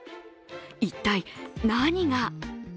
一体何が？